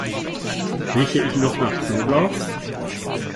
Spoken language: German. Rieche ich noch nach Knoblauch?